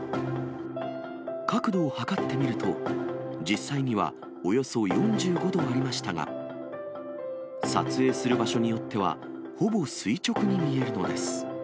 角度を測ってみると、実際にはおよそ４５度ありましたが、撮影する場所によっては、ほぼ垂直に見えるのです。